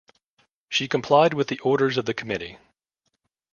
She complied with the orders of the committee.